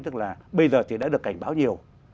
tức là bây giờ thì đã được cảnh báo nhiều